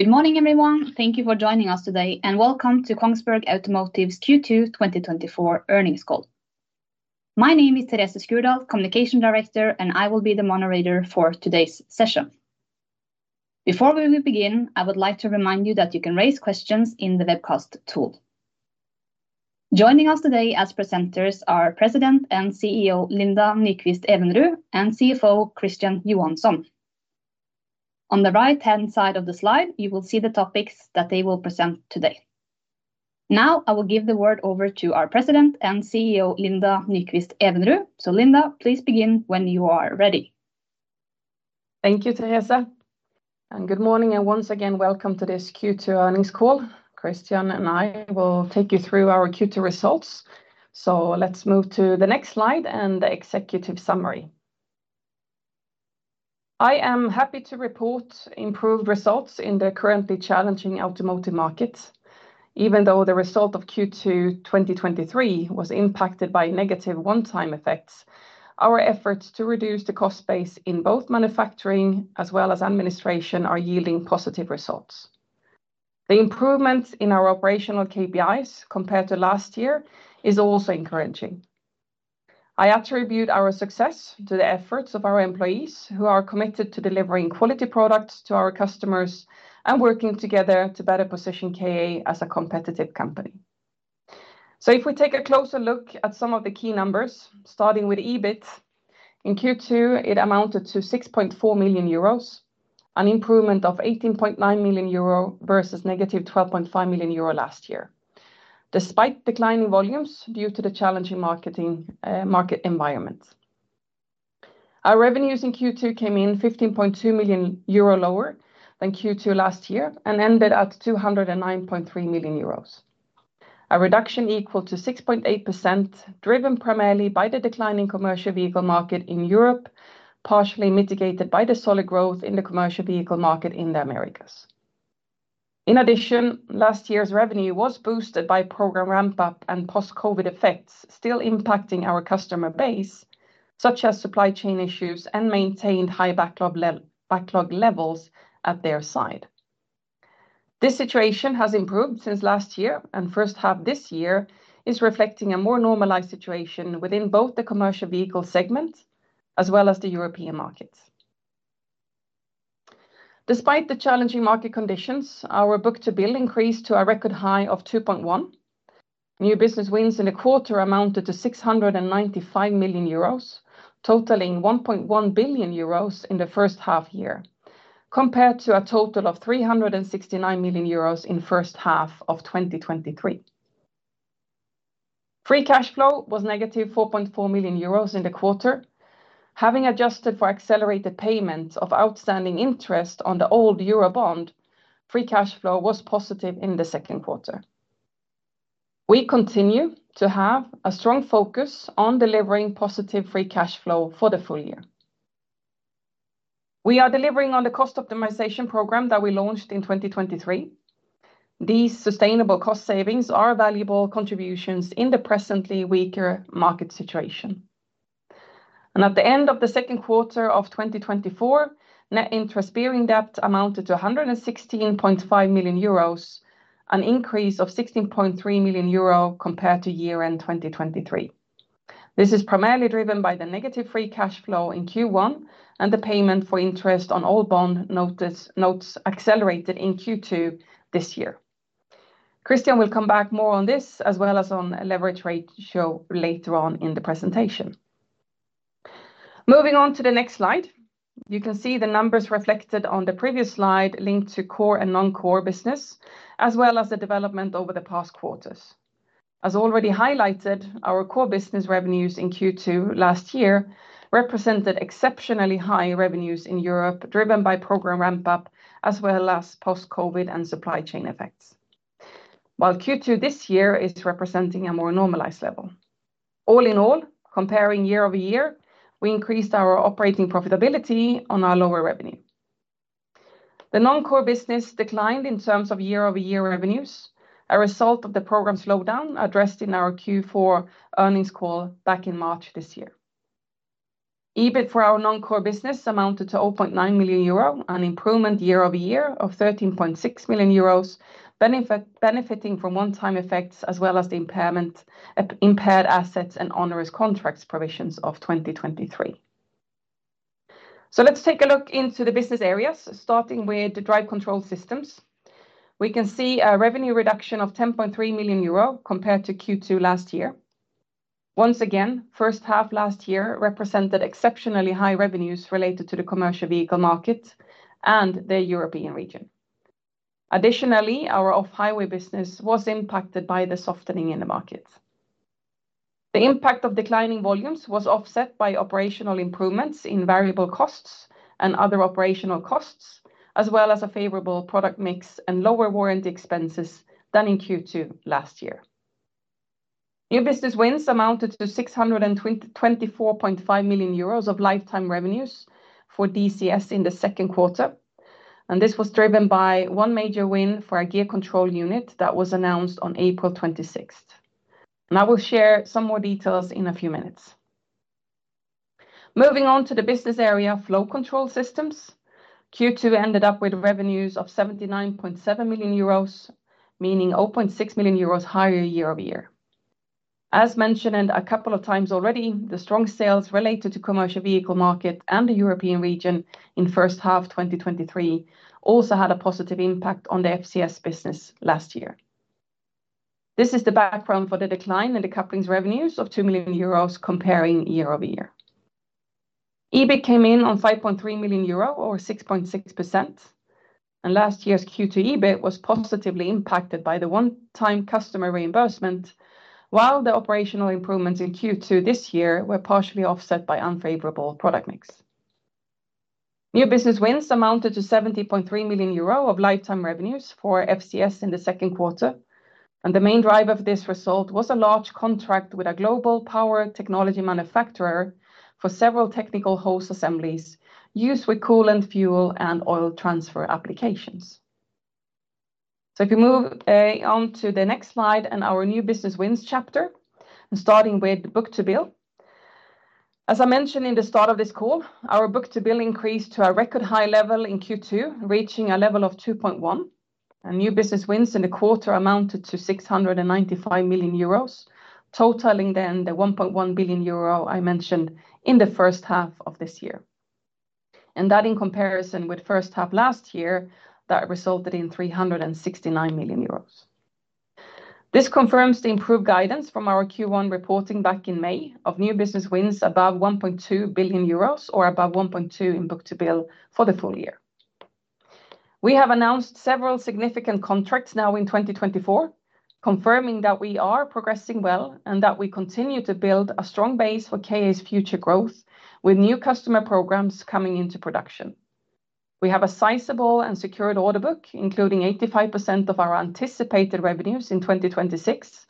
Good morning, everyone. Thank you for joining us today, and welcome to Kongsberg Automotive's Q2 2024 earnings call. My name is Therese Skjerdal, Communication Director, and I will be the moderator for today's session. Before we will begin, I would like to remind you that you can raise questions in the webcast tool. Joining us today as presenters are President and CEO, Linda Nyqvist-Evenrud, and CFO, Christian Johansson. On the right-hand side of the slide, you will see the topics that they will present today. Now, I will give the word over to our President and CEO, Linda Nyqvist-Evenrud. So Linda, please begin when you are ready. Thank you, Therese, and good morning, and once again, welcome to this Q2 earnings call. Christian and I will take you through our Q2 results. Let's move to the next slide and the executive summary. I am happy to report improved results in the currently challenging automotive market. Even though the result of Q2 2023 was impacted by one-time effects, our efforts to reduce the cost base in both manufacturing as well as administration are yielding positive results. The improvement in our operational KPIs compared to last year is also encouraging. I attribute our success to the efforts of our employees, who are committed to delivering quality products to our customers and working together to better position KA as a competitive company. So if we take a closer look at some of the key numbers, starting with EBIT, in Q2, it amounted to 6.4 million euros, an improvement of 18.9 million euro, versus -12.5 million euro last year, despite declining volumes due to the challenging market environment. Our revenues in Q2 came in 15.2 million euro lower than Q2 last year and ended at 209.3 million euros, a reduction equal to 6.8%, driven primarily by the decline in commercial vehicle market in Europe, partially mitigated by the solid growth in the commercial vehicle market in the Americas. In addition, last year's revenue was boosted by program ramp-up and post-COVID effects still impacting our customer base, such as supply chain issues and maintained high backlog levels at their side. This situation has improved since last year, and first half this year is reflecting a more normalized situation within both the commercial vehicle segment as well as the European markets. Despite the challenging market conditions, our book-to-bill increased to a record high of 2.1. New business wins in the quarter amounted to 695 million euros, totaling 1.1 billion euros in the first half year, compared to a total of 369 million euros in first half of 2023. Free cash flow was -4.4 million euros in the quarter. Having adjusted for accelerated payments of outstanding interest on the old euro bond, free cash flow was positive in the second quarter. We continue to have a strong focus on delivering positive free cash flow for the full year. We are delivering on the cost optimization program that we launched in 2023. These sustainable cost savings are valuable contributions in the presently weaker market situation. At the end of the second quarter of 2024, net interest-bearing debt amounted to 116.5 million euros, an increase of 16.3 million euro compared to year-end 2023. This is primarily driven by the negative free cash flow in Q1 and the payment for interest on all bond notes accelerated in Q2 this year. Christian will come back more on this, as well as on leverage ratio later on in the presentation. Moving on to the next slide, you can see the numbers reflected on the previous slide linked to core and non-core business, as well as the development over the past quarters. As already highlighted, our core business revenues in Q2 last year represented exceptionally high revenues in Europe, driven by program ramp-up, as well as post-COVID and supply chain effects. While Q2 this year is representing a more normalized level. All in all, comparing year-over-year, we increased our operating profitability on our lower revenue. The non-core business declined in terms of year-over-year revenues, a result of the program slowdown addressed in our Q4 earnings call back in March this year. EBIT for our non-core business amounted to 0.9 million euro, an improvement year-over-ye ar of 13.6 million euros, benefit, benefiting from one-time effects as well as the impairment, impaired assets and onerous contracts provisions of 2023. So let's take a look into the business areas, starting with the Drive Control Systems. We can see a revenue reduction of 10.3 million euro compared to Q2 last year. Once again, first half last year represented exceptionally high revenues related to the commercial vehicle market and the European region. Additionally, our off-highway business was impacted by the softening in the market. The impact of declining volumes was offset by operational improvements in variable costs and other operational costs, as well as a favorable product mix and lower warranty expenses than in Q2 last year. New business wins amounted to 624.5 million euros of lifetime revenues for DCS in the second quarter, and this was driven by one major win for our gear control unit that was announced on April 26th. I will share some more details in a few minutes. Moving on to the business area, Flow Control Systems, Q2 ended up with revenues of 79.7 million euros, meaning 0.6 million euros higher year-over-year. As mentioned and a couple of times already, the strong sales related to commercial vehicle market and the European region in first half 2023 also had a positive impact on the FCS business last year. This is the background for the decline in the couplings revenues of 2 million euros comparing year-over-year. EBIT came in on 5.3 million euro, or 6.6%, and last year's Q2 EBIT was positively impacted by the one-time customer reimbursement, while the operational improvements in Q2 this year were partially offset by unfavorable product mix. New business wins amounted to 70.3 million euro of lifetime revenues for FCS in the second quarter, and the main driver of this result was a large contract with a global power technology manufacturer for several technical hose assemblies used with coolant, fuel, and oil transfer applications. So if you move on to the next slide and our new business wins chapter, and starting with book-to-bill. As I mentioned in the start of this call, our book-to-bill increased to a record high level in Q2, reaching a level of 2.1, and new business wins in the quarter amounted to 695 million euros, totaling then the 1.1 billion euro I mentioned in the first half of this year. And that in comparison with first half last year, that resulted in 369 million euros. This confirms the improved guidance from our Q1 reporting back in May of new business wins above 1.2 billion euros, or above 1.2 in book-to-bill for the full year. We have announced several significant contracts now in 2024, confirming that we are progressing well and that we continue to build a strong base for KA's future growth, with new customer programs coming into production. We have a sizable and secured order book, including 85% of our anticipated revenues in 2026,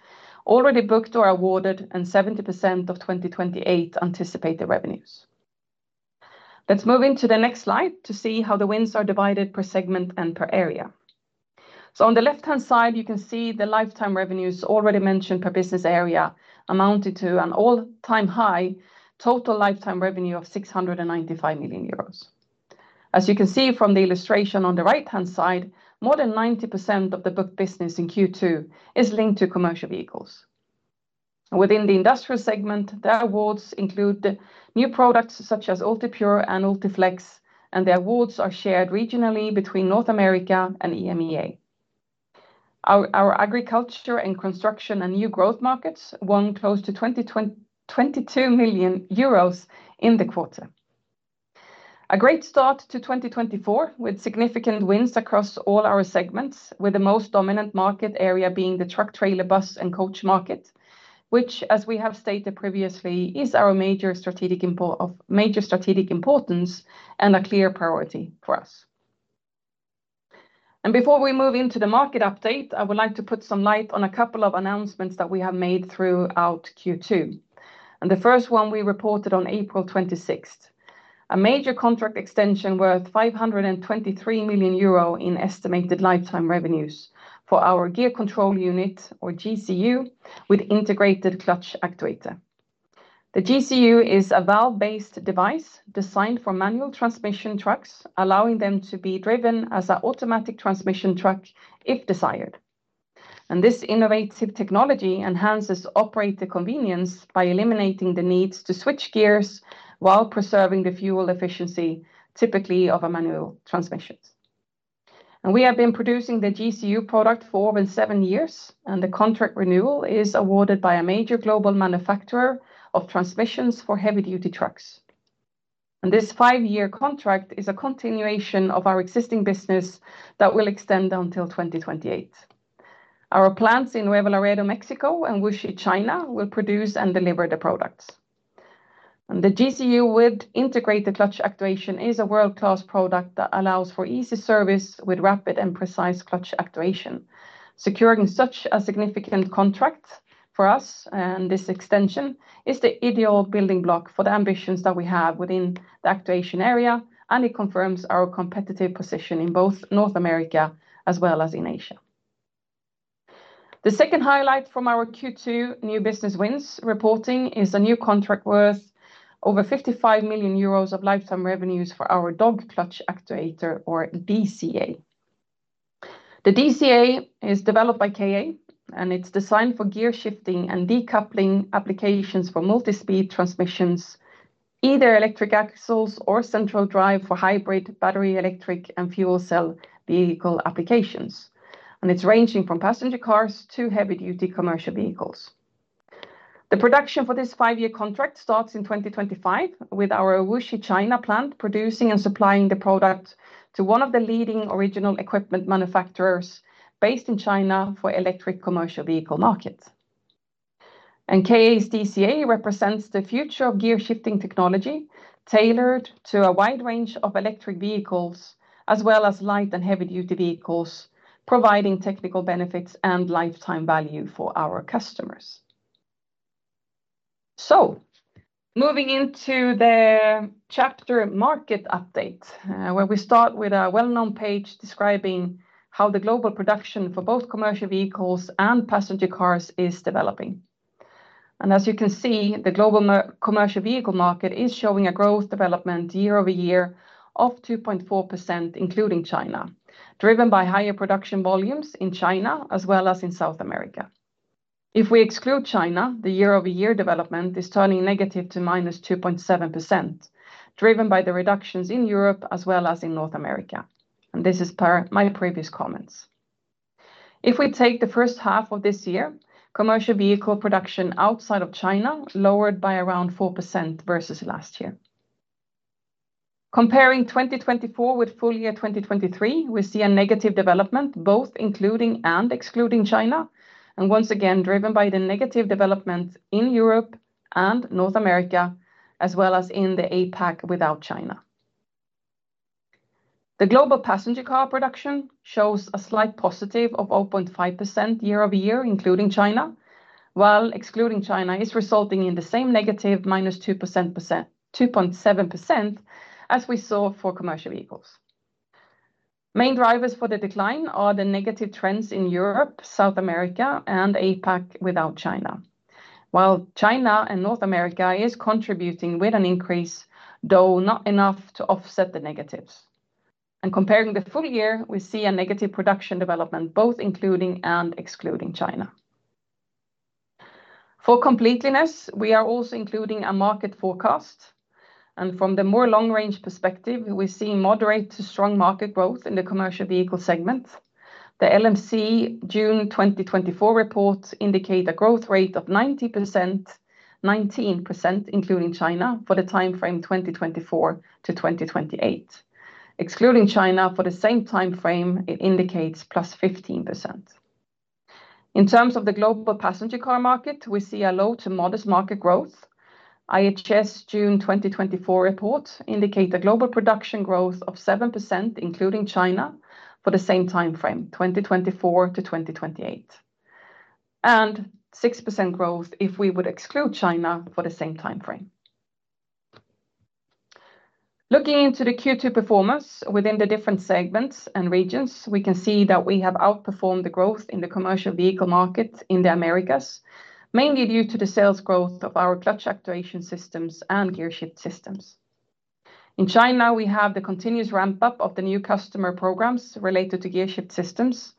already booked or awarded, and 70% of 2028 anticipated revenues. Let's move into the next slide to see how the wins are divided per segment and per area. So on the left-hand side, you can see the lifetime revenues already mentioned per business area amounted to an all-time high total lifetime revenue of 695 million euros. As you can see from the illustration on the right-hand side, more than 90% of the book business in Q2 is linked to commercial vehicles. Within the industrial segment, the awards include new products such as UltiPure and UltiFlex, and the awards are shared regionally between North America and EMEA. Our agriculture and construction and new growth markets won close to 22 million euros in the quarter. A great start to 2024, with significant wins across all our segments, with the most dominant market area being the truck, trailer, bus, and coach market, which, as we have stated previously, is our major strategic importance and a clear priority for us. Before we move into the market update, I would like to put some light on a couple of announcements that we have made throughout Q2. The first one we reported on April 26th, a major contract extension worth 523 million euro in estimated lifetime revenues for our Gear Control Unit, or GCU, with integrated clutch actuator. The GCU is a valve-based device designed for manual transmission trucks, allowing them to be driven as an automatic transmission truck if desired. This innovative technology enhances operator convenience by eliminating the need to switch gears while preserving the fuel efficiency, typically of a manual transmissions. We have been producing the GCU product for over seven years, and the contract renewal is awarded by a major global manufacturer of transmissions for heavy-duty trucks. This 5-year contract is a continuation of our existing business that will extend until 2028. Our plants in Nuevo Laredo, Mexico and Wuxi, China, will produce and deliver the products. The GCU with integrated clutch actuation is a world-class product that allows for easy service with rapid and precise clutch actuation. Securing such a significant contract for us, and this extension, is the ideal building block for the ambitions that we have within the actuation area, and it confirms our competitive position in both North America as well as in Asia. The second highlight from our Q2 new business wins reporting is a new contract worth over 55 million euros of lifetime revenues for our Dog Clutch Actuator, or DCA. The DCA is developed by KA, and it's designed for gear shifting and decoupling applications for multi-speed transmissions, either electric axles or central drive for hybrid, battery, electric, and fuel cell vehicle applications. It's ranging from passenger cars to heavy-duty commercial vehicles. The production for this 5-year contract starts in 2025, with our Wuxi, China, plant producing and supplying the product to one of the leading original equipment manufacturers based in China for electric commercial vehicle market. KA's DCA represents the future of gear shifting technology, tailored to a wide range of electric vehicles, as well as light and heavy-duty vehicles, providing technical benefits and lifetime value for our customers. Moving into the chapter market update, where we start with a well-known page describing how the global production for both commercial vehicles and passenger cars is developing. As you can see, the global commercial vehicle market is showing a growth development year-over-year of 2.4%, including China, driven by higher production volumes in China, as well as in South America. If we exclude China, the year-over-year development is turning negative to -2.7%, driven by the reductions in Europe as well as in North America, and this is per my previous comments. If we take the first half of this year, commercial vehicle production outside of China lowered by around 4% versus last year. Comparing 2024 with full year 2023, we see a negative development, both including and excluding China, and once again, driven by the negative development in Europe and North America, as well as in the APAC without China. The global passenger car production shows a slight positive of 0.5% year-over-year, including China, while excluding China is resulting in the same negative, -2.7%, as we saw for commercial vehicles. Main drivers for the decline are the negative trends in Europe, South America, and APAC without China. While China and North America is contributing with an increase, though not enough to offset the negatives. Comparing the full year, we see a negative production development, both including and excluding China. For completeness, we are also including a market forecast, and from the more long-range perspective, we're seeing moderate to strong market growth in the commercial vehicle segment. The LMC June 2024 report indicate a growth rate of 90%, 19%, including China, for the timeframe 2024-2028. Excluding China for the same timeframe, it indicates +15%. In terms of the global passenger car market, we see a low to modest market growth. IHS June 2024 report indicate a global production growth of 7%, including China, for the same timeframe, 2024 to 2028, and 6% growth if we would exclude China for the same timeframe. Looking into the Q2 performance within the different segments and regions, we can see that we have outperformed the growth in the commercial vehicle market in the Americas, mainly due to the sales growth of our clutch actuation systems and gearshift systems. In China, we have the continuous ramp-up of the new customer programs related to gearshift systems,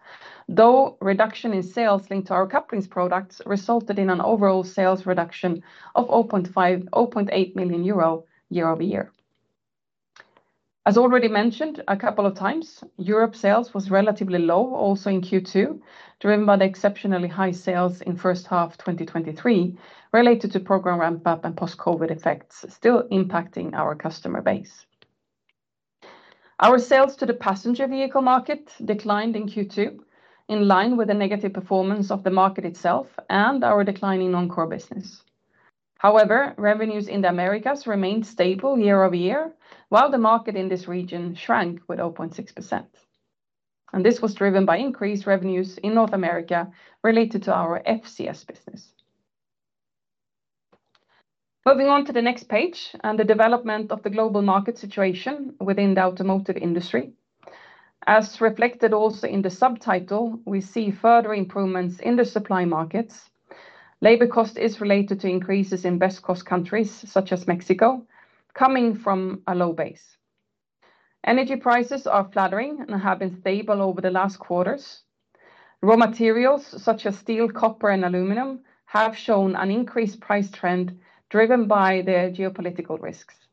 though reduction in sales linked to our couplings products resulted in an overall sales reduction of 0.5 million-0.8 million euro, year-over-year. As already mentioned a couple of times, Europe sales was relatively low, also in Q2, driven by the exceptionally high sales in first half 2023, related to program ramp-up and post-COVID effects still impacting our customer base. Our sales to the passenger vehicle market declined in Q2, in line with the negative performance of the market itself and our declining non-core business. However, revenues in the Americas remained stable year over year, while the market in this region shrank with 0.6%, and this was driven by increased revenues in North America related to our FCS business. Moving on to the next page, and the development of the global market situation within the automotive industry. As reflected also in the subtitle, we see further improvements in the supply markets. Labor cost is related to increases in best-cost countries, such as Mexico, coming from a low base. Energy prices are flattening and have been stable over the last quarters. Raw materials, such as steel, copper, and aluminum, have shown an increased price trend, driven by their geopolitical risks.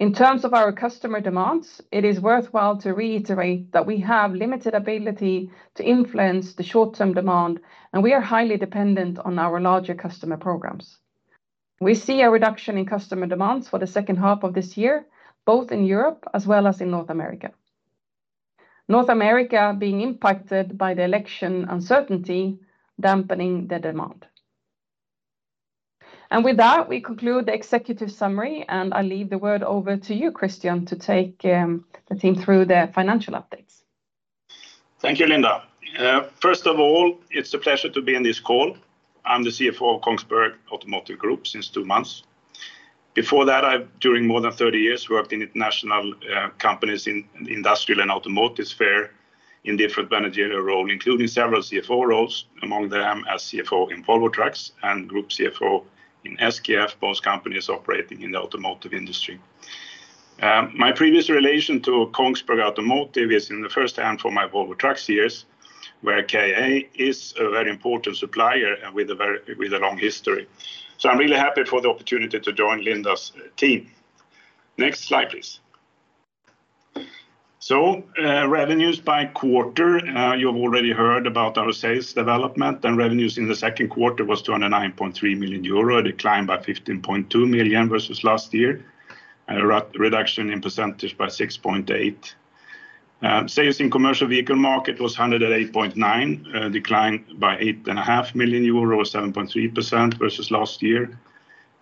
In terms of our customer demands, it is worthwhile to reiterate that we have limited ability to influence the short-term demand, and we are highly dependent on our larger customer programs. We see a reduction in customer demands for the second half of this year, both in Europe as well as in North America. North America being impacted by the election uncertainty, dampening the demand. And with that, we conclude the executive summary, and I leave the word over to you, Christian, to take the team through the financial updates. Thank you, Linda. First of all, it's a pleasure to be in this call. I'm the CFO of Kongsberg Automotive Group since two months. Before that, I, during more than 30 years, worked in international companies in industrial and automotive sphere in different managerial role, including several CFO roles, among them as CFO in Volvo Trucks and Group CFO in SKF, both companies operating in the automotive industry. My previous relation to Kongsberg Automotive is firsthand for my Volvo Trucks years, where KA is a very important supplier and with a long history. So I'm really happy for the opportunity to join Linda's team. Next slide, please. So, revenues by quarter. You've already heard about our sales development, and revenues in the second quarter was 209.3 million euro, a decline by 15.2 million versus last year, a reduction in percentage by 6.8%. Sales in commercial vehicle market was 108.9, decline by 8.5 million euros, or 7.3%, versus last year.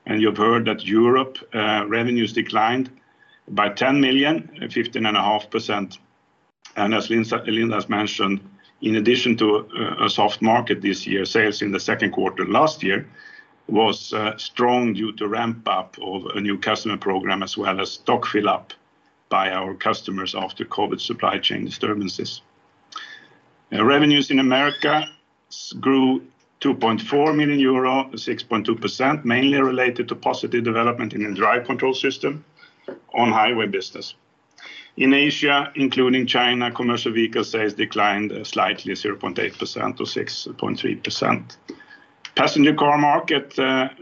And you've heard that Europe, revenues declined by 10 million, at 15.5%. And as Linda has mentioned, in addition to a soft market this year, sales in the second quarter last year was strong due to ramp-up of a new customer program, as well as stock fill-up by our customers after COVID supply chain disturbances. Revenues in Americas grew 2.4 million euro, 6.2%, mainly related to positive development in the Drive Control Systems on-highway business. In Asia, including China, commercial vehicle sales declined slightly 0.8% to 6.3%. Passenger car market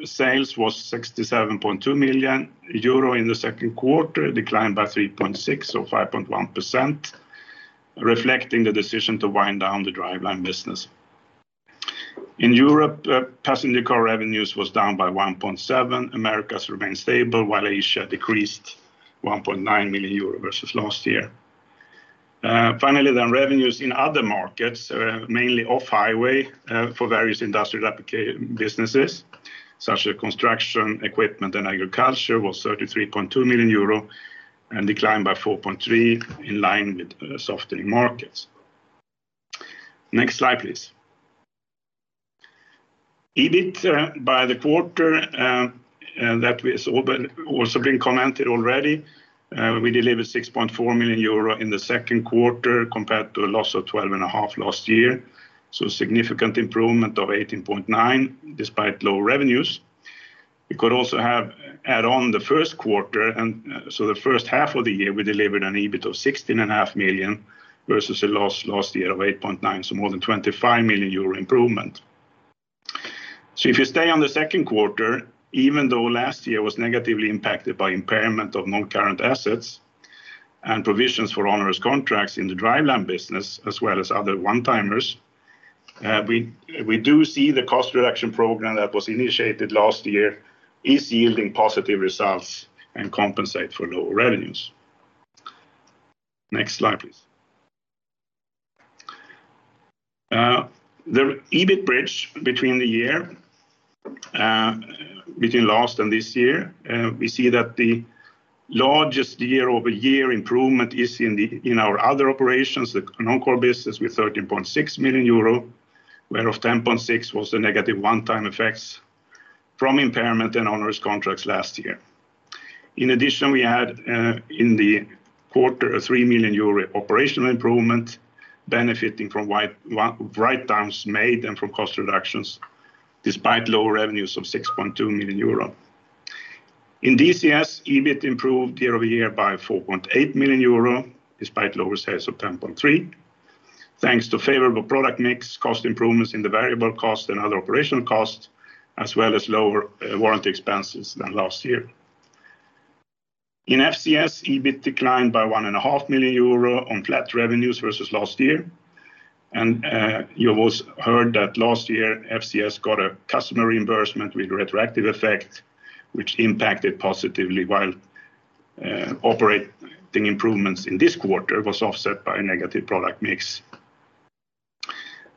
sales was 67.2 million euro in the second quarter, declined by 3.6% or 5.1%, reflecting the decision to wind down the driveline business. In Europe, passenger car revenues was down by 1.7%. Americas remained stable, while Asia decreased 1.9 million euro versus last year. Finally, the revenues in other markets, mainly off-highway, for various industrial applications businesses, such as construction equipment and agriculture, was 33.2 millionand declined by 4.3% in line with softening markets. Next slide, please. EBIT by the quarter that is open also been commented already. We delivered 6.4 million euro in the second quarter, compared to a loss of 12.5 million last year, so significant improvement of 18.9 million, despite low revenues. We could also have add on the first quarter, and so the first half of the year, we delivered an EBIT of 16.5 million, versus a loss last year of 8.9 million, so more than 25 million euro improvement. So if you stay on the second quarter, even though last year was negatively impacted by impairment of non-current assets and provisions for onerous contracts in the driveline business, as well as other one-timers, we do see the cost reduction program that was initiated last year is yielding positive results and compensate for lower revenues. Next slide, please. The EBIT bridge between the year, between last and this year, we see that the largest year-over-year improvement is in our other operations, the non-core business with 13.6 million euro, whereof 10.6 was the one-time effects from impairment and onerous contracts last year. In addition, we had, in the quarter, a 3 million euro operational improvement benefiting from write-downs made and from cost reductions, despite lower revenues of 6.2 million euro. In DCS, EBIT improved year-over-year by 4.8 million euro, despite lower sales of 10.3. Thanks to favorable product mix, cost improvements in the variable cost and other operational costs, as well as lower warranty expenses than last year. In FCS, EBIT declined by 1.5 million euro on flat revenues versus last year. And, you also heard that last year, FCS got a customer reimbursement with retroactive effect, which impacted positively, while, operating improvements in this quarter was offset by a negative product mix.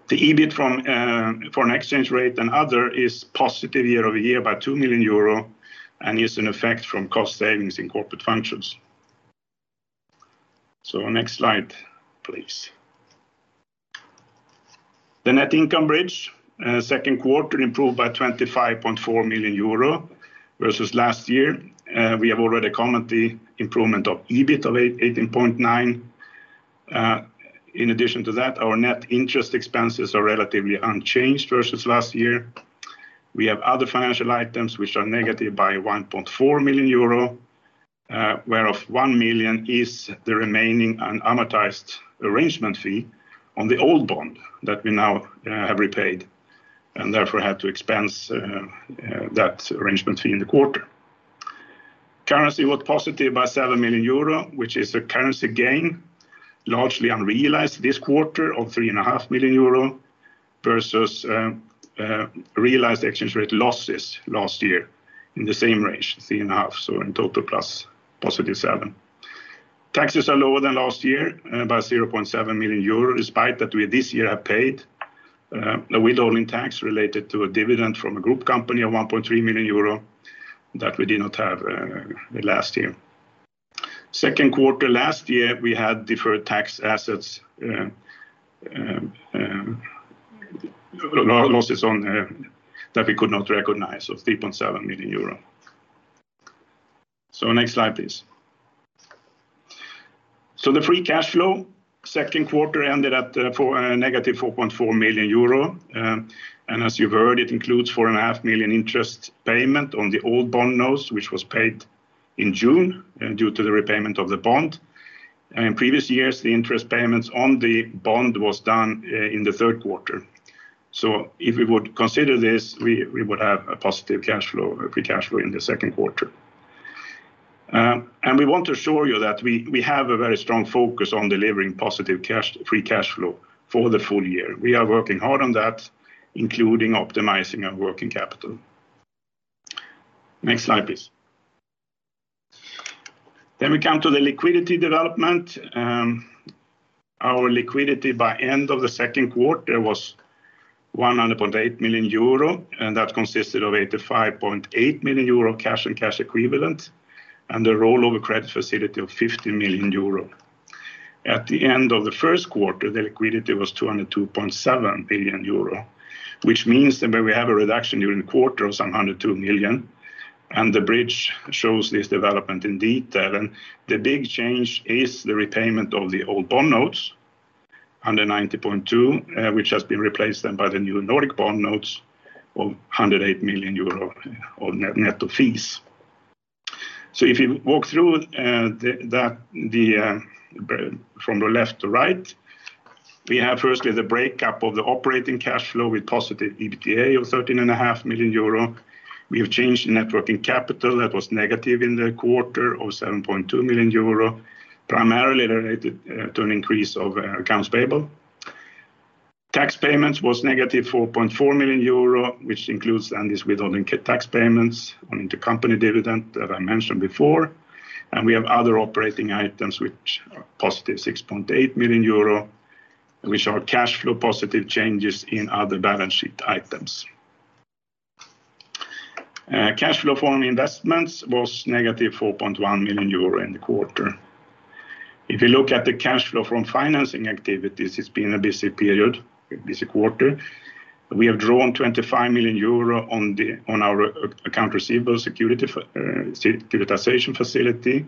The EBIT from, foreign exchange rate and other is positive year-over-year by 2 million euro and is an effect from cost savings in corporate functions. So next slide, please. The net income bridge, second quarter improved by 25.4 million euro versus last year, we have already commented the improvement of EBIT of 18.9. In addition to that, our net interest expenses are relatively unchanged versus last year. We have other financial items which are negative by 1.4 million euro, whereof 1 million is the remaining unamortized arrangement fee on the old bond that we now have repaid, and therefore had to expense that arrangement fee in the quarter. Currency was positive by 7 million euro, which is a currency gain, largely unrealized this quarter of 3.5 million euro versus realized exchange rate losses last year in the same range, 3.5, so in total, plus +7. Taxes are lower than last year by 0.7 million euros, despite that we this year have paid the withholding tax related to a dividend from a group company of 1.3 million euro that we did not have last year. Second quarter last year, we had deferred tax assets, losses on that we could not recognize, of 3.7 million euro. So next slide, please. So the free cash flow, second quarter ended at -4.4 million euro. And as you've heard, it includes 4.5 million interest payment on the old bond notes, which was paid in June, due to the repayment of the bond. In previous years, the interest payments on the bond was done in the third quarter. So if we would consider this, we would have a positive cash flow, free cash flow in the second quarter. And we want to assure you that we have a very strong focus on delivering positive free cash flow for the full year. We are working hard on that, including optimizing our working capital. Next slide, please. Then we come to the liquidity development. Our liquidity by end of the second quarter was 100.8 million euro, and that consisted of 85.8 million euro cash and cash equivalents, and the rollover credit facility of 50 million euro. At the end of the first quarter, the liquidity was 200.7 million euro, which means that when we have a reduction during the quarter of some 102 million and the bridge shows this development in detail, and the big change is the repayment of the old bond notes under 90.2, which has been replaced then by the new Nordic bond notes of 108 million euro on net, net of fees. So if you walk through, from the left to right, we have firstly, the breakup of the operating cash flow with positive EBITDA of 13.5 million euro. We have changed net working capital that was negative in the quarter of 7.2 million euro, primarily related to an increase of accounts payable. Tax payments was -4.4 million euro, which includes and is withholding tax payments on the company dividend that I mentioned before. And we have other operating items which are +6.8 million euro, which are cash flow positive changes in other balance sheet items. Cash flow from investments was -4.1 million euro in the quarter. If you look at the cash flow from financing activities, it's been a busy period, a busy quarter. We have drawn 25 million euro on the, on our accounts receivable securitization facility.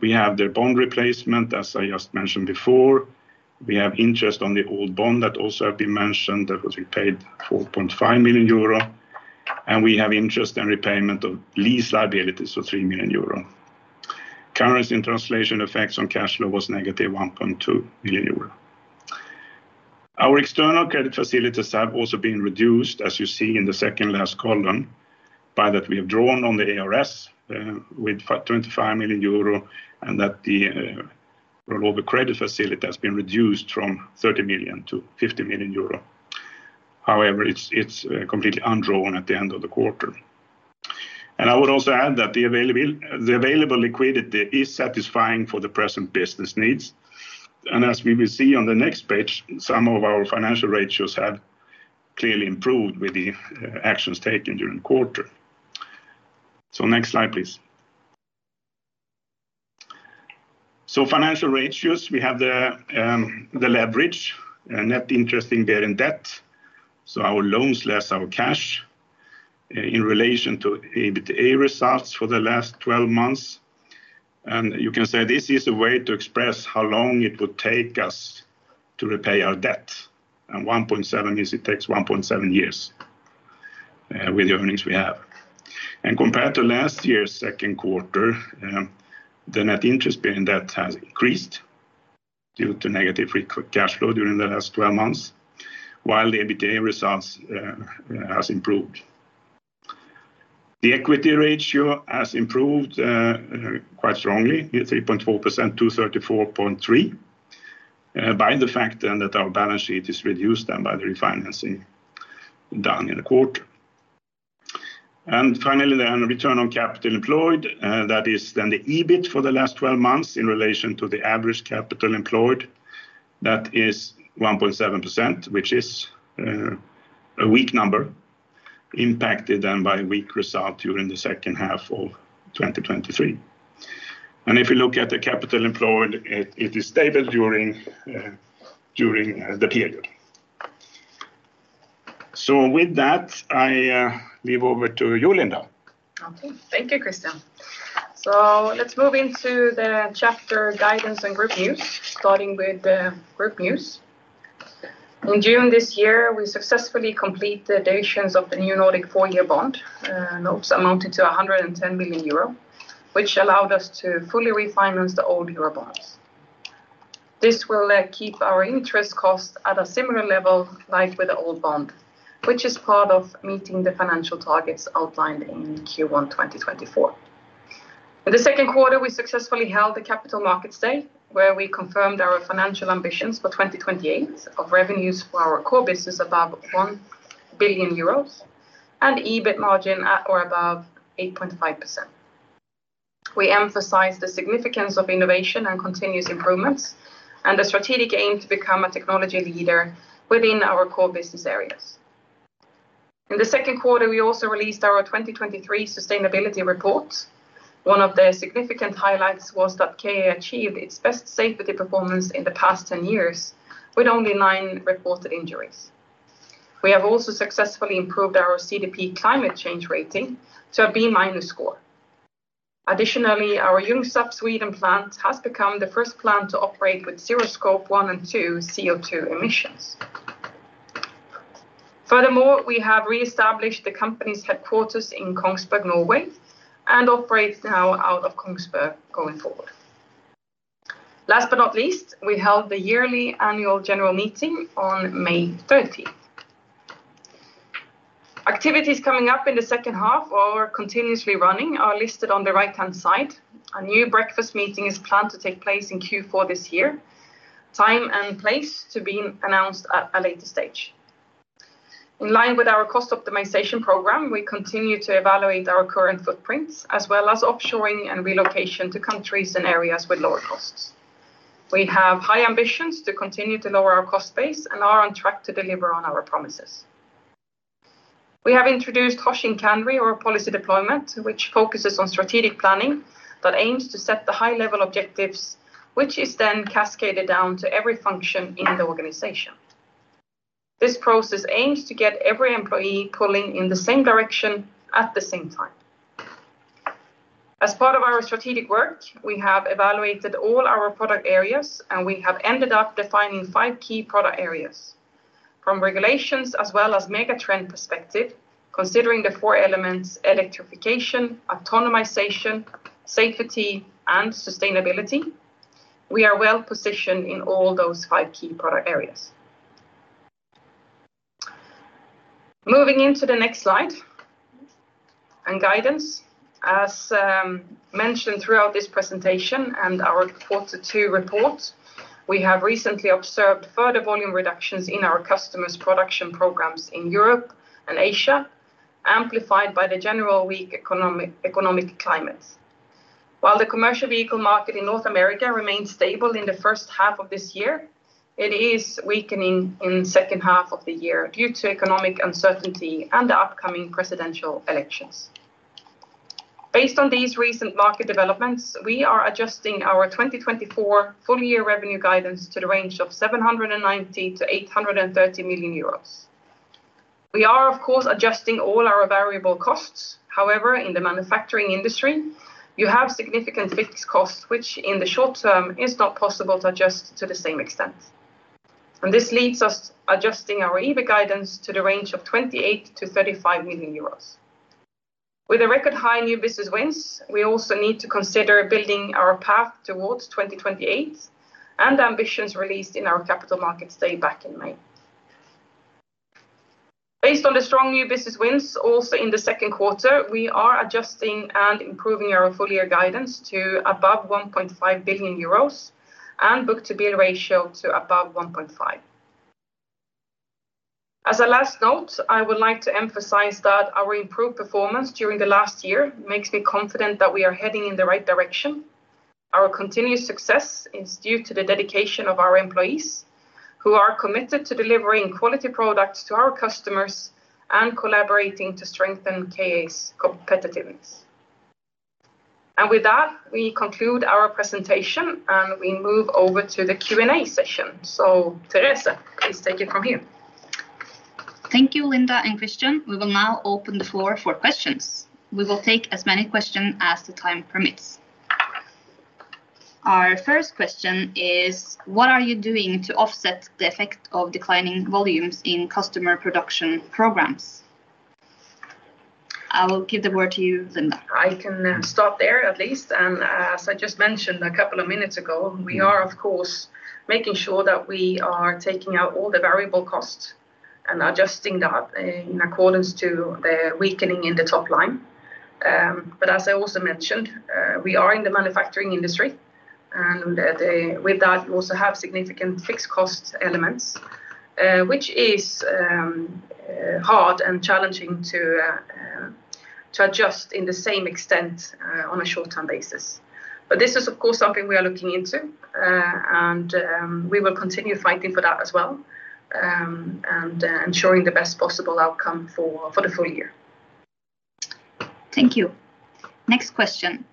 We have the bond replacement, as I just mentioned before. We have interest on the old bond that also have been mentioned, that was repaid 4.5 million euro, and we have interest and repayment of lease liabilities of 3 million euro. Currency and translation effects on cash flow was -1.2 million euro. Our external credit facilities have also been reduced, as you see in the second last column, by that we have drawn on the ARS with twenty-five million euro, and that the revolver credit facility has been reduced from 30 million to 50 million euro. However, it's completely undrawn at the end of the quarter. And I would also add that the available liquidity is satisfying for the present business needs, and as we will see on the next page, some of our financial ratios have clearly improved with the actions taken during the quarter. So next slide, please. So financial ratios, we have the leverage and net interest-bearing debt, so our loans less our cash in relation to EBITDA results for the last 12 months. And you can say, this is a way to express how long it would take us to repay our debt, and 1.7 is it takes 1.7 years with the earnings we have. And compared to last year's second quarter, the net interest-bearing debt has increased due to negative free cash flow during the last 12 months, while the EBITDA results has improved. The equity ratio has improved quite strongly, 3.4% to 34.3%, by the fact then that our balance sheet is reduced then by the refinancing done in the quarter. And finally, the return on capital employed, that is then the EBIT for the last 12 months in relation to the average capital employed, that is 1.7%, which is a weak number, impacted then by weak result during the second half of 2023. And if you look at the capital employed, it is stable during the period. So with that, I leave over to you, Linda. Okay. Thank you, Christian. So let's move into the chapter guidance and group news, starting with the group news. In June this year, we successfully completed the issuance of the new Nordic four-year bond notes amounted to 110 million euro, which allowed us to fully refinance the old euro bonds. This will keep our interest costs at a similar level, like with the old bond, which is part of meeting the financial targets outlined in Q1 2024. In the second quarter, we successfully held a capital markets day, where we confirmed our financial ambitions for 2028 of revenues for our core business above 1 billion euros and EBIT margin at or above 8.5%. We emphasize the significance of innovation and continuous improvements, and the strategic aim to become a technology leader within our core business areas. In the second quarter, we also released our 2023 sustainability report. One of the significant highlights was that KA achieved its best safety performance in the past 10 years, with only nine reported injuries. We have also successfully improved our CDP climate change rating to a B-minus score. Additionally, our Jönköping, Sweden plant has become the first plant to operate with zero Scope 1 and 2 CO2 emissions. Furthermore, we have reestablished the company's headquarters in Kongsberg, Norway, and operates now out of Kongsberg going forward. Last but not least, we held the yearly annual general meeting on May 30th. Activities coming up in the second half or continuously running are listed on the right-hand side. A new breakfast meeting is planned to take place in Q4 this year, time and place to be announced at a later stage. In line with our cost optimization program, we continue to evaluate our current footprints, as well as offshoring and relocation to countries and areas with lower costs. We have high ambitions to continue to lower our cost base and are on track to deliver on our promises. We have introduced Hoshin Kanri, or policy deployment, which focuses on strategic planning, but aims to set the high level objectives, which is then cascaded down to every function in the organization. This process aims to get every employee pulling in the same direction at the same time. As part of our strategic work, we have evaluated all our product areas, and we have ended up defining five key product areas. From regulations as well as mega trend perspective, considering the four elements: electrification, autonomization, safety, and sustainability, we are well positioned in all those five key product areas. Moving into the next slide and guidance. As mentioned throughout this presentation and our quarter two report, we have recently observed further volume reductions in our customers' production programs in Europe and Asia, amplified by the general weak economic climates. While the commercial vehicle market in North America remains stable in the first half of this year, it is weakening in second half of the year due to economic uncertainty and the upcoming presidential elections. Based on these recent market developments, we are adjusting our 2024 full-year revenue guidance to the range of 790 million-830 million euros. We are, of course, adjusting all our variable costs. However, in the manufacturing industry, you have significant fixed costs, which in the short term is not possible to adjust to the same extent. This leads us adjusting our EBIT guidance to the range of 28 million-35 million euros. With a record high new business wins, we also need to consider building our path towards 2028, and ambitions released in our capital markets day back in May. Based on the strong new business wins, also in the second quarter, we are adjusting and improving our full year guidance to above 1.5 billion euros, and book-to-bill ratio to above 1.5. As a last note, I would like to emphasize that our improved performance during the last year makes me confident that we are heading in the right direction. Our continued success is due to the dedication of our employees, who are committed to delivering quality products to our customers and collaborating to strengthen KA's competitiveness. With that, we conclude our presentation, and we move over to the Q&A session. Therese, please take it from here. Thank you, Linda and Christian. We will now open the floor for questions. We will take as many questions as the time permits. Our first question is: What are you doing to offset the effect of declining volumes in customer production programs? I will give the word to you, Linda. I can start there at least, and as I just mentioned a couple of minutes ago, we are, of course, making sure that we are taking out all the variable costs and adjusting that in accordance to the weakening in the top line. But as I also mentioned, we are in the manufacturing industry, and with that, we also have significant fixed cost elements, which is hard and challenging to adjust in the same extent, on a short-term basis. But this is, of course, something we are looking into, and we will continue fighting for that as well, and ensuring the best possible outcome for the full year. Thank you. Next question: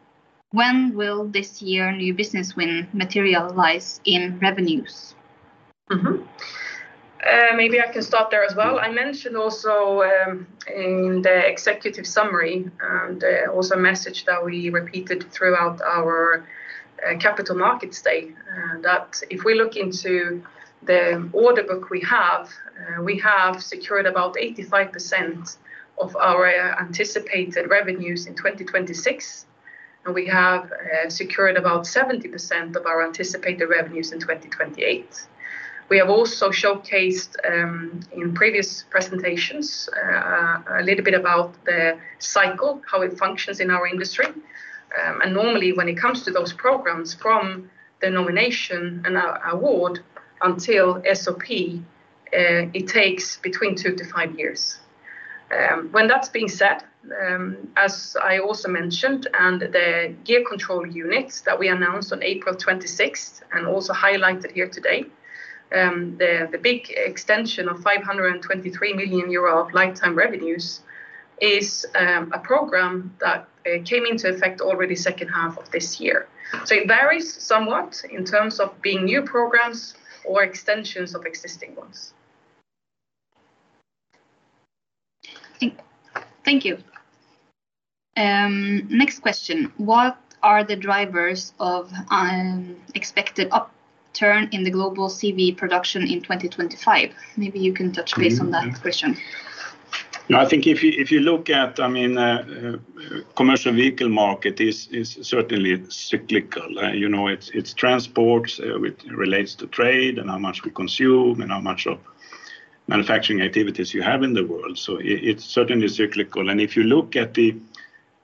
When will this year's new business wins materialize in revenues? Mm-hmm. Maybe I can start there as well. I mentioned also, in the executive summary, and, also a message that we repeated throughout our, capital market state, that if we look into the order book we have, we have secured about 85% of our anticipated revenues in 2026, and we have, secured about 70% of our anticipated revenues in 2028. We have also showcased, in previous presentations, a little bit about the cycle, how it functions in our industry. And normally, when it comes to those programs from the nomination and our award until SOP, it takes between 2 years-5 years. When that's being said, as I also mentioned, and the gear control units that we announced on April 26th, and also highlighted here today, the big extension of 523 million euro of lifetime revenues is a program that came into effect already second half of this year. So it varies somewhat in terms of being new programs or extensions of existing ones. Thank, thank you. Next question: What are the drivers of expected upturn in the global CV production in 2025? Maybe you can touch base on that question. Mm-hmm. No, I think if you, if you look at, I mean, commercial vehicle market is certainly cyclical. You know, it's transports with relates to trade and how much we consume, and how much of manufacturing activities you have in the world. So it's certainly cyclical. And if you look at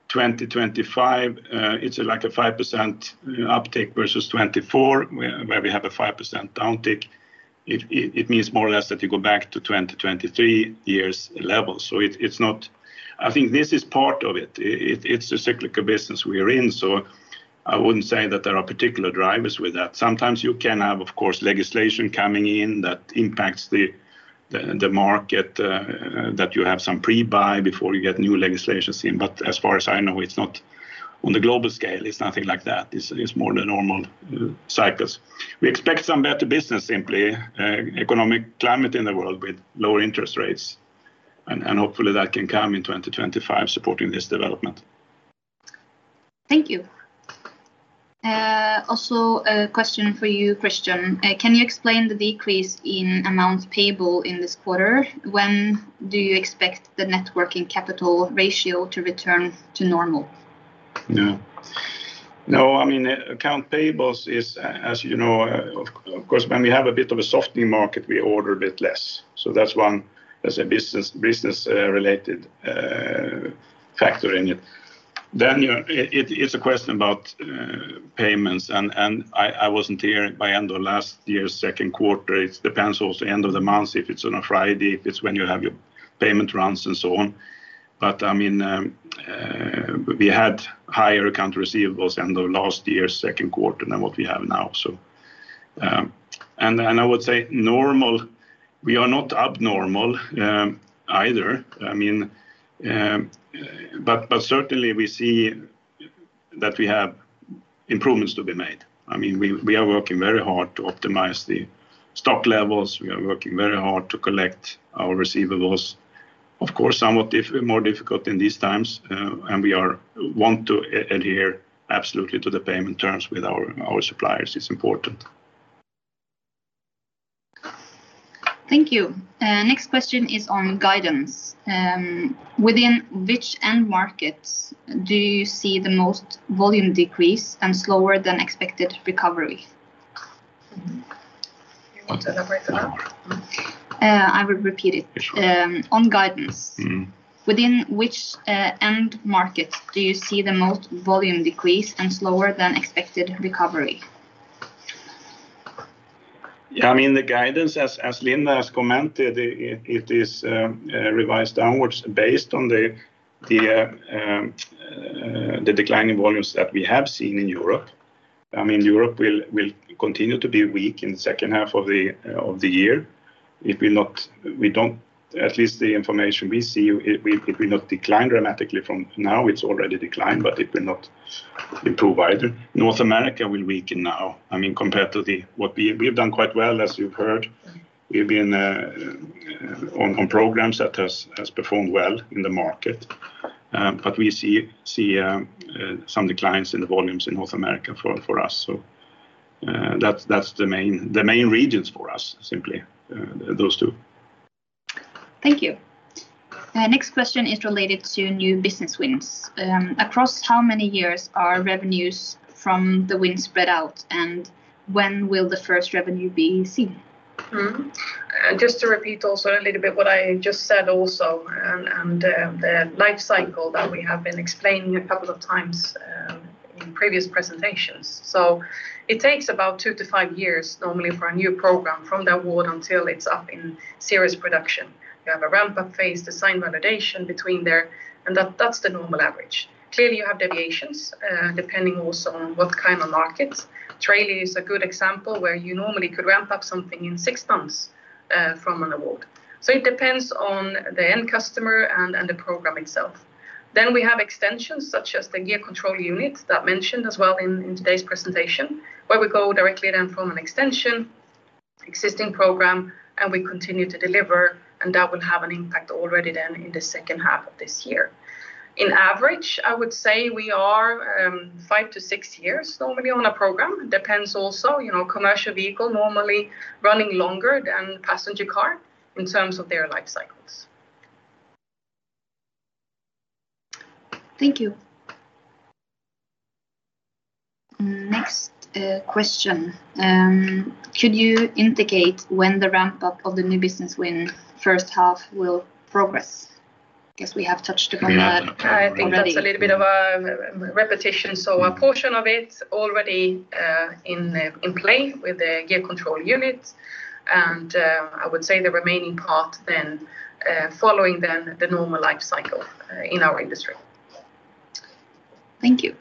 the 2025, it's like a 5% uptake versus 2024, where we have a 5% downtick. It means more or less that you go back to 2023 years level. So it's not... I think this is part of it. It, it's a cyclical business we are in, so I wouldn't say that there are particular drivers with that. Sometimes you can have, of course, legislation coming in that impacts the market that you have some pre-buy before you get new legislations in. But as far as I know, it's not on the global scale, it's nothing like that. It's more the normal cycles. We expect some better business, simply, economic climate in the world with lower interest rates... and hopefully that can come in 2025, supporting this development. Thank you. Also a question for you, Christian. Can you explain the decrease in amounts payable in this quarter? When do you expect the net working capital ratio to return to normal? Yeah. No, I mean, accounts payable is, as you know, of course, when we have a bit of a softening market, we order a bit less. So that's one, that's a business-related factor in it. Then, you know, it is a question about payments, and I wasn't here by end of last year, second quarter. It depends also end of the month, if it's on a Friday, if it's when you have your payment runs, and so on. But, I mean, we had higher accounts receivable in the last year, second quarter, than what we have now. So, and I would say normal, we are not abnormal, either. I mean, but certainly we see that we have improvements to be made. I mean, we are working very hard to optimize the stock levels. We are working very hard to collect our receivables. Of course, somewhat more difficult in these times, and we want to adhere absolutely to the payment terms with our suppliers. It's important. Thank you. Next question is on guidance. Within which end markets do you see the most volume decrease and slower than expected recovery? You want to repeat that? I will repeat it. Sure. on guidance- Mm-hmm... within which end market do you see the most volume decrease and slower than expected recovery? Yeah, I mean, the guidance, as Linda has commented, it is revised downwards based on the declining volumes that we have seen in Europe. I mean, Europe will continue to be weak in the second half of the year. It will not, we don't, at least the information we see, it will not decline dramatically from now. It's already declined, but it will not improve either. North America will weaken now, I mean, compared to what we... We've done quite well, as you've heard. We've been on programs that has performed well in the market. But we see some declines in the volumes in North America for us. So, that's the main regions for us, simply those two. Thank you. Next question is related to new business wins. Across how many years are revenues from the wins spread out, and when will the first revenue be seen? Mm-hmm. Just to repeat also a little bit what I just said also, and the life cycle that we have been explaining a couple of times in previous presentations. So it takes about 2 years to 5 years normally for a new program from the award until it's up in serious production. You have a ramp-up phase, design, validation between there, and that, that's the normal average. Clearly, you have deviations depending also on what kind of markets. Trailer is a good example, where you normally could ramp up something in six months from an award. So it depends on the end customer and the program itself. Then we have extensions such as the gear control unit, that's mentioned as well in today's presentation, where we go directly then from an extension, existing program, and we continue to deliver, and that will have an impact already then in the second half of this year. On average, I would say we are five to six years normally on a program. Depends also, you know, commercial vehicle normally running longer than passenger car in terms of their life cycles. Thank you. Next, question: Could you indicate when the ramp-up of the new business win first half will progress? Guess we have touched upon that already. I think that's a little bit of a repetition. So a portion of it already in play with the gear control unit, and I would say the remaining part then following then the normal life cycle in our industry. Thank you.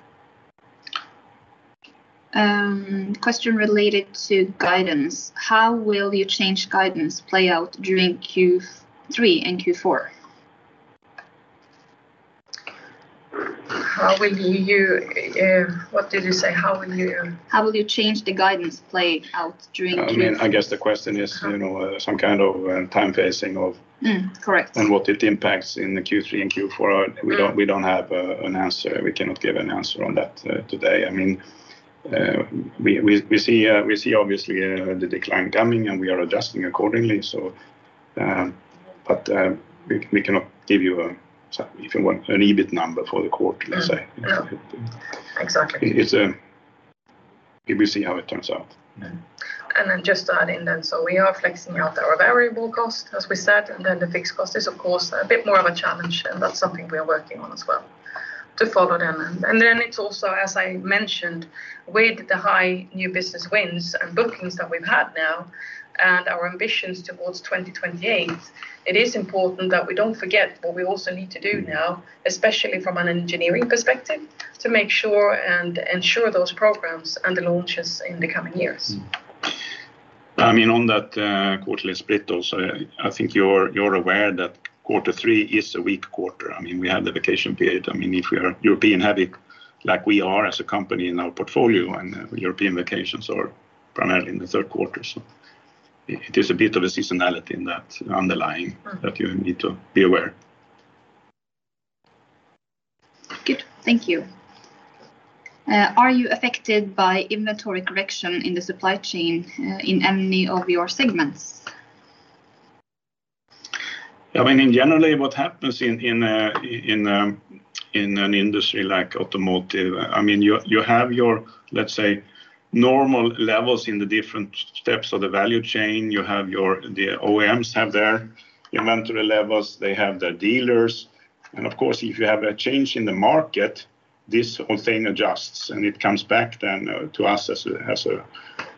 Question related to guidance: How will you change guidance play out during Q3 and Q4? How will you, What did you say? How will you- How will you change the guidance play out during Q3? I mean, I guess the question is, you know, some kind of time phasing of- Mm, correct... and what it impacts in the Q3 and Q4. Mm. We don't have an answer. We cannot give an answer on that today. I mean, we see obviously the decline coming, and we are adjusting accordingly, so, but, we cannot give you, if you want, an EBIT number for the quarter, let's say. Mm. Yeah. Exactly. It's, we will see how it turns out. And then just to add in then, so we are flexing out our variable cost, as we said, and then the fixed cost is of course a bit more of a challenge, and that's something we are working on as well, to follow them. And then it's also, as I mentioned, with the high new business wins and bookings that we've had now, and our ambitions towards 2028, it is important that we don't forget what we also need to do now, especially from an engineering perspective, to make sure and ensure those programs and the launches in the coming years. I mean, on that, quarterly split also, I think you're aware that quarter three is a weak quarter. I mean, we have the vacation period. I mean, if we are European-heavy, like we are as a company in our portfolio, and European vacations are primarily in the third quarter. So it is a bit of a seasonality in that underlying- Mm. that you need to be aware. Good. Thank you. Are you affected by inventory correction in the supply chain, in any of your segments? I mean, in general, what happens in an industry like automotive, I mean, you have your, let's say, normal levels in the different steps of the value chain. You have your... The OEMs have their inventory levels, they have their dealers, and of course, if you have a change in the market, this whole thing adjusts, and it comes back then to us as a, as a,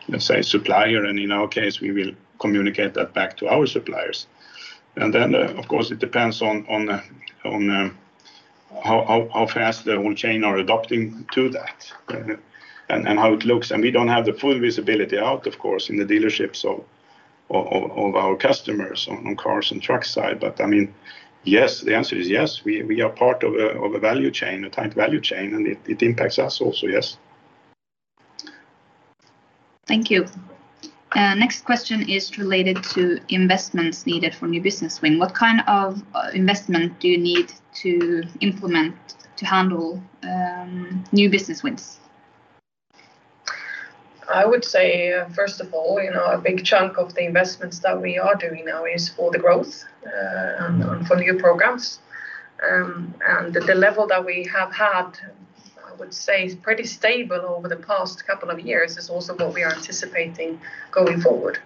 let's say, supplier. And then, of course, it depends on how fast the whole chain are adapting to that, and how it looks. And we don't have the full visibility out, of course, in the dealerships or, or, of our customers on cars and truck side. I mean, yes, the answer is yes, we, we are part of a, of a value chain, a tight value chain, and it, it impacts us also, yes. Thank you. Next question is related to investments needed for new business win. What kind of investment do you need to implement to handle new business wins? I would say, first of all, you know, a big chunk of the investments that we are doing now is for the growth, and for new programs. And the level that we have had, I would say, is pretty stable over the past couple of years, is also what we are anticipating going forward.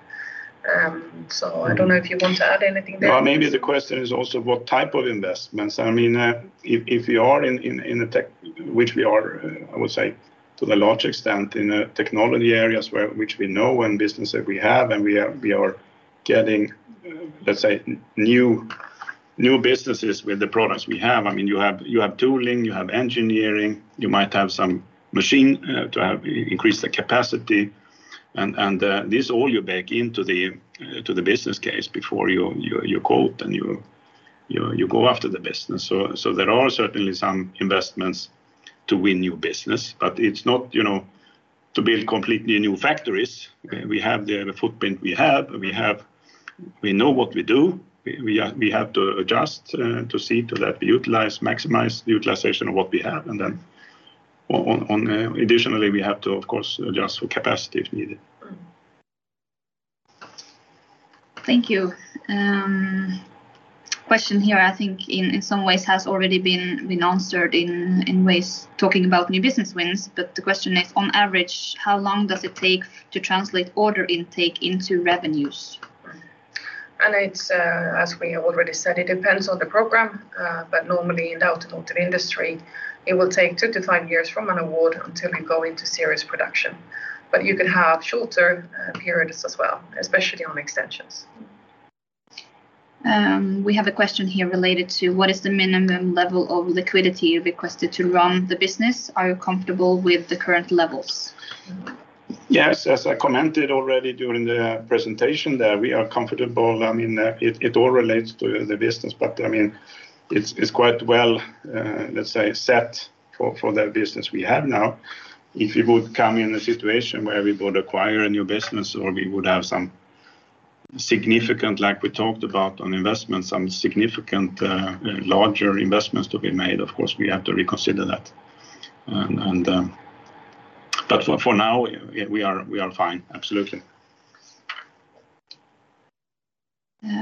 So I don't know if you want to add anything there? Well, maybe the question is also what type of investments? I mean, if you are in a tech, which we are, I would say, to a large extent in technology areas where... which we know, and business that we have, and we are getting, let's say, new businesses with the products we have. I mean, you have tooling, you have engineering, you might have some machine to have increase the capacity. And this all you back into the to the business case before you quote and you go after the business. So there are certainly some investments to win new business, but it's not, you know, to build completely new factories. We have the footprint we have. We have we know what we do. We have to adjust to see to that we utilize, maximize utilization of what we have. And then on, additionally, we have to, of course, adjust for capacity if needed. Thank you. Question here, I think in some ways has already been answered in ways talking about new business wins, but the question is, on average, how long does it take to translate order intake into revenues? It's as we have already said, it depends on the program, but normally in the automotive industry, it will take 2-5 years from an award until you go into serious production. But you can have shorter periods as well, especially on extensions. We have a question here related to: What is the minimum level of liquidity you requested to run the business? Are you comfortable with the current levels? Yes. As I commented already during the presentation, that we are comfortable. I mean, it all relates to the business, but I mean, it's quite well, let's say, set for the business we have now. If you would come in a situation where we would acquire a new business, or we would have some significant, like we talked about on investments, some significant larger investments to be made, of course, we have to reconsider that. But for now, we are fine. Absolutely.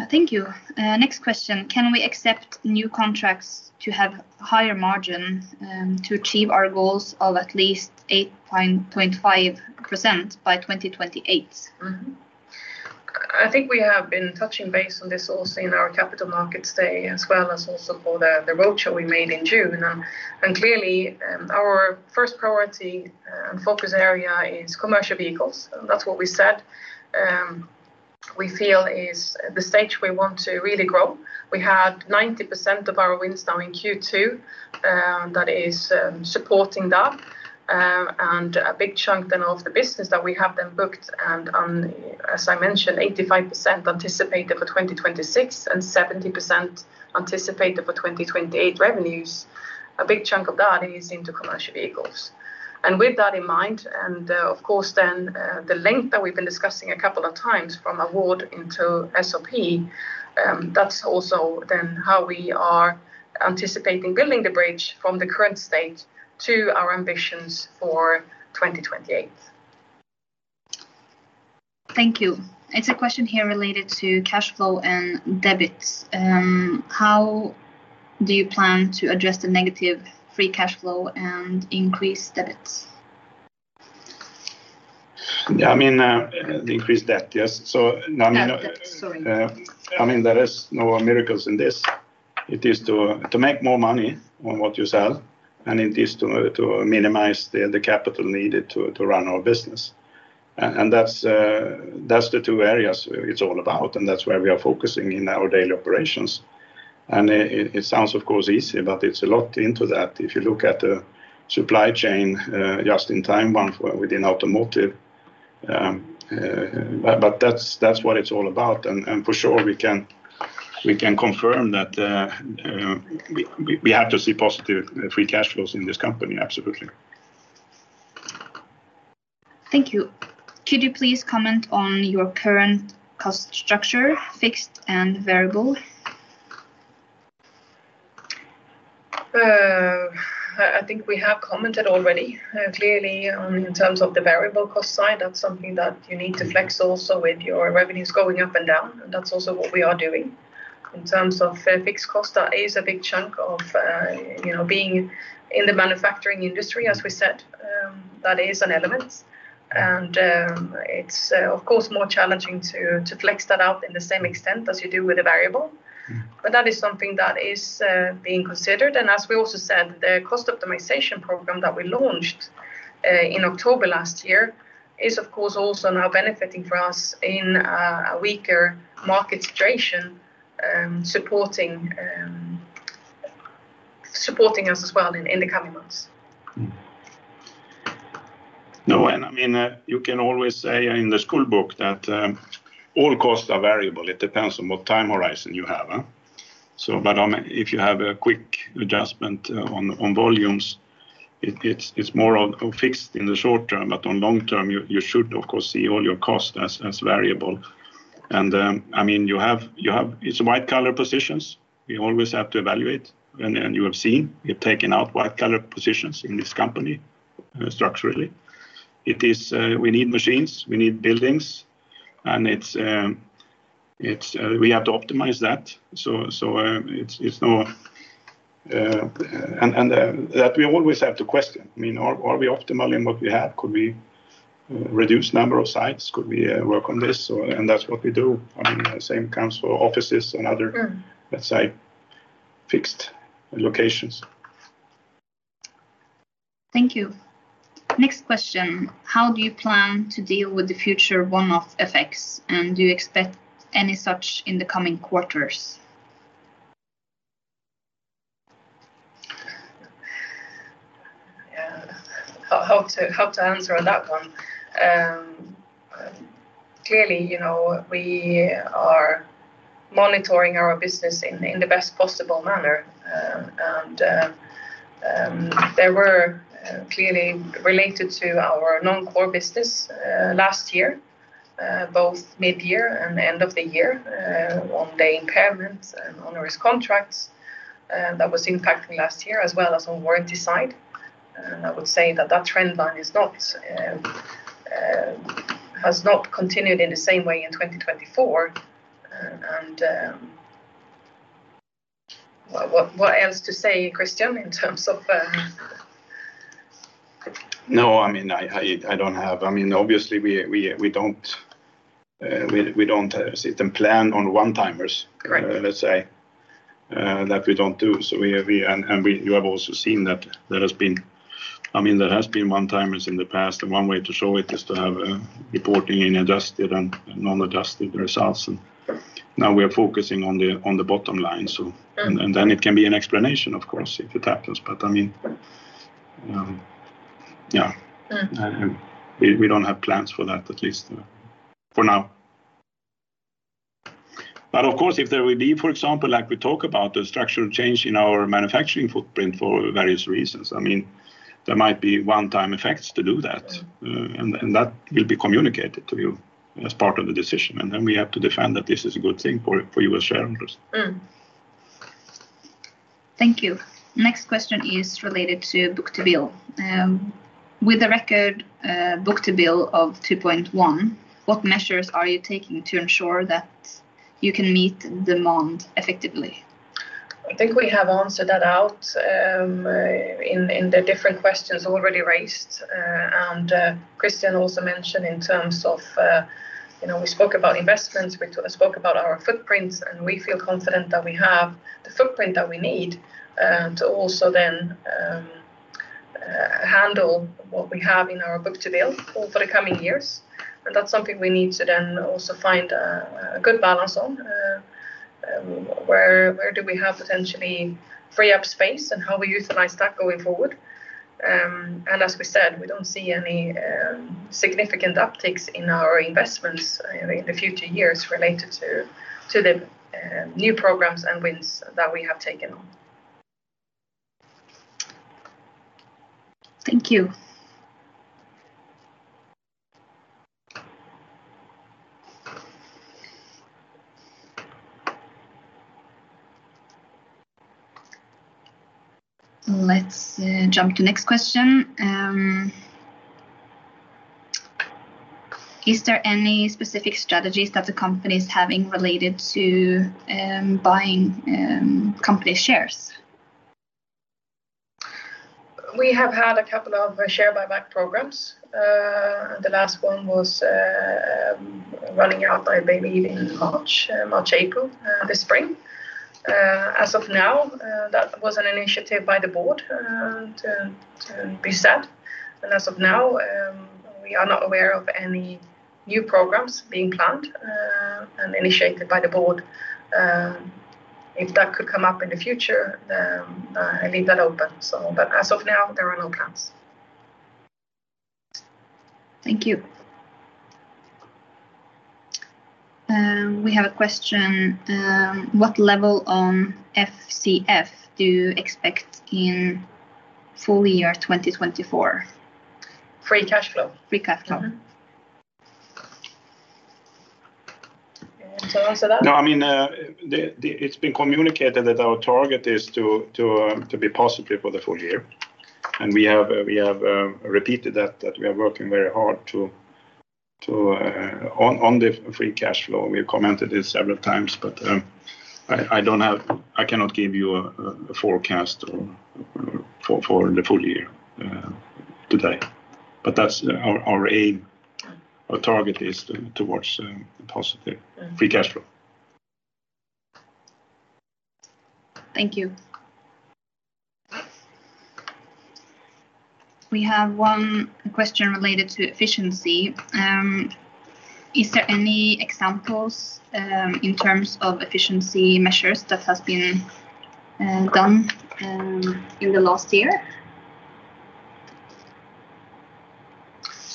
Thank you. Next question: Can we accept new contracts to have higher margins, to achieve our goals of at least 8.5% by 2028? Mm-hmm. I think we have been touching base on this also in our capital markets day, as well as also for the, the roadshow we made in June. And clearly, our first priority, focus area is commercial vehicles. That's what we said. We feel is the stage we want to really grow. We had 90% of our wins now in Q2, that is, supporting that. And a big chunk then of the business that we have then booked and on, as I mentioned, 85% anticipated for 2026, and 70% anticipated for 2028 revenues. A big chunk of that is into commercial vehicles. And with that in mind, and, of course, then, the length that we've been discussing a couple of times from award into SOP, that's also then how we are anticipating building the bridge from the current state to our ambitions for 2028. Thank you. It's a question here related to cash flow and debts. How do you plan to address the negative free cash flow and increase debts? Yeah, I mean, the increased debt, yes. So, now, I mean- Yeah, debt, sorry. I mean, there is no miracles in this. It is to make more money on what you sell, and it is to minimize the capital needed to run our business. And that's the two areas it's all about, and that's where we are focusing in our daily operations. It sounds, of course, easy, but it's a lot into that. If you look at the supply chain, just in time, only within automotive, but that's what it's all about. And for sure, we can confirm that we have to see positive free cash flows in this company. Absolutely. Thank you. Could you please comment on your current cost structure, fixed and variable? I think we have commented already. Clearly, in terms of the variable cost side, that's something that you need to flex also with your revenues going up and down, and that's also what we are doing. In terms of fixed cost, that is a big chunk of you know, being in the manufacturing industry, as we said, that is an element. It's of course, more challenging to flex that out in the same extent as you do with a variable. Mm. But that is something that is being considered. As we also said, the cost optimization program that we launched in October last year is of course also now benefiting for us in a weaker market situation, supporting us as well in the coming months. No, and I mean, you can always say in the school book that all costs are variable. It depends on what time horizon you have, huh? So, but if you have a quick adjustment on volumes, it's more fixed in the short term, but in the long term, you should, of course, see all your costs as variable. And, I mean, you have white-collar positions. We always have to evaluate, and you have seen, we've taken out white-collar positions in this company structurally. It is, we need machines, we need buildings, and it's, we have to optimize that. So, it's not. And that we always have to question. I mean, are we optimal in what we have? Could we reduce number of sites? Could we work on this? And that's what we do. I mean, the same counts for offices and other- Mm... let's say, fixed locations. Thank you. Next question: How do you plan to deal with the future one-off effects, and do you expect any such in the coming quarters? Yeah. How to answer on that one? Clearly, you know, we are monitoring our business in the best possible manner. And they were clearly related to our non-core business last year, both mid-year and end of the year, on the impairments and on risk contracts. That was impacting last year as well as on warranty side. And I would say that that trend line is not has not continued in the same way in 2024. And what else to say, Christian, in terms of? No, I mean, I don't have... I mean, obviously, we don't sit and plan on one-timers- Correct... let's say. That we don't do. So you have also seen that there has been... I mean, there has been one-timers in the past, and one way to show it is to have reporting in adjusted and non-adjusted results. And- Yes... now we are focusing on the bottom line. So- Yes... and then it can be an explanation, of course, if it happens. But I mean, yeah. Mm. We don't have plans for that, at least, for now. But of course, if there will be, for example, like we talk about, the structural change in our manufacturing footprint for various reasons, I mean, there might be one-time effects to do that. Yes. And that will be communicated to you as part of the decision, and then we have to defend that this is a good thing for you as shareholders. Thank you. Next question is related to book-to-bill. With the record book-to-bill of 2.1, what measures are you taking to ensure that you can meet demand effectively? I think we have answered that out in the different questions already raised. And Christian also mentioned in terms of, you know, we spoke about investments, we spoke about our footprints, and we feel confident that we have the footprint that we need to also then handle what we have in our book-to-bill for the coming years. And that's something we need to then also find a good balance on. Where do we have potentially free up space and how we utilize that going forward? And as we said, we don't see any significant upticks in our investments in the future years related to the new programs and wins that we have taken on. Thank you. Let's jump to next question. Is there any specific strategies that the company is having related to buying company shares? We have had a couple of share buyback programs. The last one was running out by maybe in March, April, this spring. As of now, that was an initiative by the board to be set. And as of now, we are not aware of any new programs being planned and initiated by the board. If that could come up in the future, I leave that open. So, but as of now, there are no plans.... Thank you. We have a question, what level on FCF do you expect in full year 2024? Free cash flow? Free cash flow. Mm-hmm. You want to answer that? No, I mean, it's been communicated that our target is to be positive for the full year, and we have repeated that we are working very hard on the free cash flow. We've commented this several times, but I don't have—I cannot give you a forecast for the full year today. But that's our aim. Yeah. Our target is towards positive- Yeah... free cash flow. Thank you. We have one question related to efficiency. Is there any examples in terms of efficiency measures that has been done in the last year?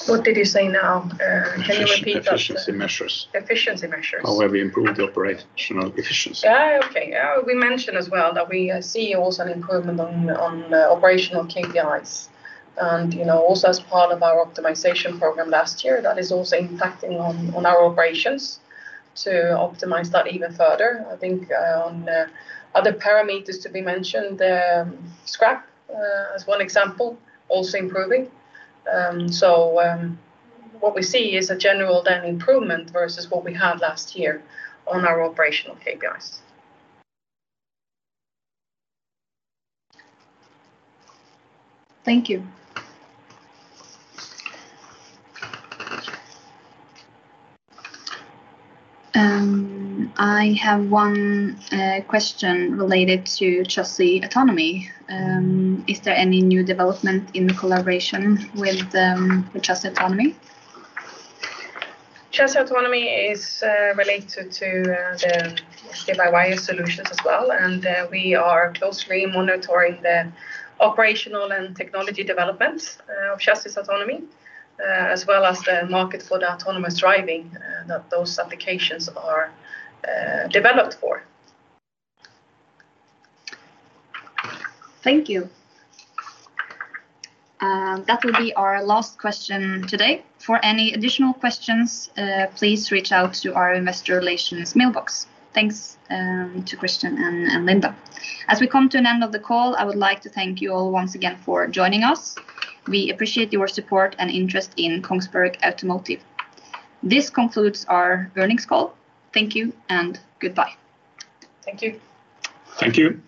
What did you say now? Can you repeat that? Efficiency, efficiency measures. Efficiency measures. How have we improved the operational efficiency? Ah, okay. Yeah, we mentioned as well that we see also an improvement on the operational KPIs. And, you know, also as part of our optimization program last year, that is also impacting on our operations to optimize that even further. I think, on other parameters to be mentioned, scrap as one example, also improving. So, what we see is a general then improvement versus what we had last year on our operational KPIs. Thank you. I have one question related to Chassis Autonomy. Is there any new development in the collaboration with the Chassis Autonomy? Chassis Autonomy is related to the steer-by-wire solutions as well, and we are closely monitoring the operational and technology development of Chassis Autonomy as well as the market for the autonomous driving that those applications are developed for. Thank you. That will be our last question today. For any additional questions, please reach out to our investor relations mailbox. Thanks to Christian and Linda. As we come to an end of the call, I would like to thank you all once again for joining us. We appreciate your support and interest in Kongsberg Automotive. This concludes our earnings call. Thank you and goodbye. Thank you. Thank you.